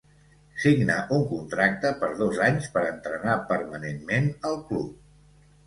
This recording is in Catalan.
Signà un contracte per dos anys per entrenar permanentment al club.